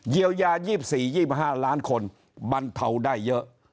เยียวยา๒๔๒๕ล้านคนบรรเทาได้เยอะ